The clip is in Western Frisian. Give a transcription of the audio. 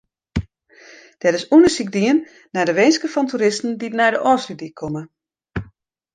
Der is ûndersyk dien nei de winsken fan toeristen dy't nei de Ofslútdyk komme.